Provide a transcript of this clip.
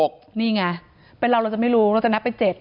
นี่ไงเป็นเราเราจะไม่รู้เราจะนับเป็น๗